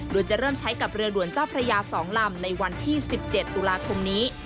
โดยจะเริ่มใช้กับเรือด่วนเจ้าพระยา๒ลำในวันที่๑๗ตุลาคมนี้